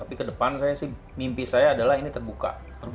tapi ke depan mimpi saya adalah ini terbuka